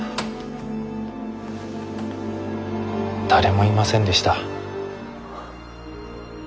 誰もいませんでした。